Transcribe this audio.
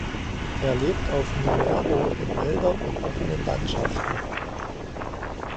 Er lebt auf Numero in Wäldern und offenen Landschaften.